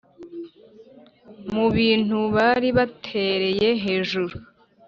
Mu Bintu Bari Batereye Hejuru